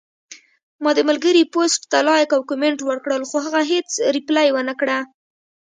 ما د ملګري پوسټ ته لایک او کمنټ ورکړل، خو هغه هیڅ ریپلی ونکړه